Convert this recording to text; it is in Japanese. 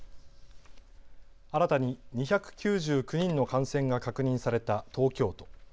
新たに２９９人の感染が確認された東京都。